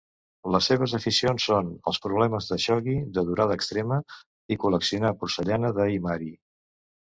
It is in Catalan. Les seves aficions són els problemes de shogi de durada extrema i col·leccionar porcellana de Imari.